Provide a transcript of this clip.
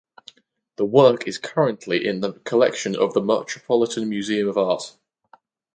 The work is currently in the collection of the Metropolitan Museum of Art.